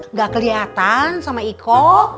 nggak keliatan sama iko